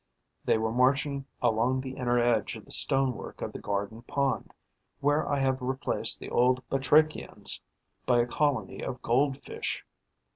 They were marching along the inner edge of the stone work of the garden pond, where I have replaced the old batrachians by a colony of Gold fish.